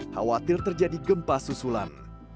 khawatir terjadi gempa susulan